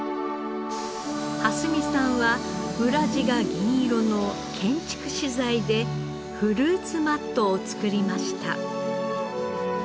荷見さんは裏地が銀色の建築資材でフルーツマットを作りました。